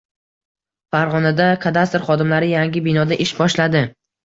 Farg‘onada kadastr xodimlari yangi binoda ish boshladi